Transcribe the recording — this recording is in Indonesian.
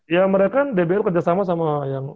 ya mereka kan dbl kerjasama sama yang